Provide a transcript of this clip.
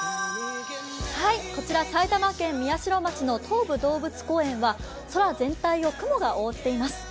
こちら埼玉県宮代町の東武動物公園は、空全体を雲が覆っています。